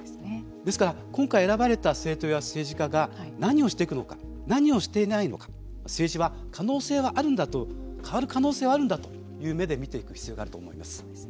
ですから、今回選ばれた政党や政治家が何をしていくのか何をしていないのか政治は可能性はあるんだと変わる可能性はあるんだという目で見ていく必要があると思います。